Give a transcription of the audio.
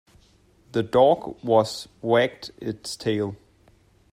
The dog was wagged its tail.